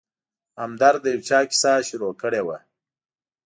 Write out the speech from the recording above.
همدرد د یو چا کیسه شروع کړې وه.